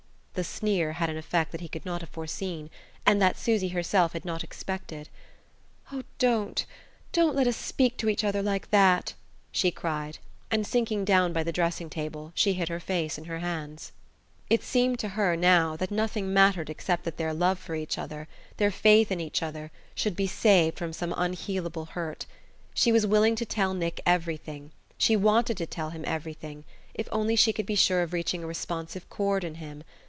The sneer had an effect that he could not have foreseen, and that Susy herself had not expected. "Oh, don't don't let us speak to each other like that!" she cried; and sinking down by the dressing table she hid her face in her hands. It seemed to her, now, that nothing mattered except that their love for each other, their faith in each other, should be saved from some unhealable hurt. She was willing to tell Nick everything she wanted to tell him everything if only she could be sure of reaching a responsive chord in him.